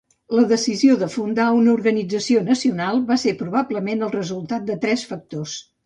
La decisió de fundar una organització nacional va ser probablement el resultat de tres factors.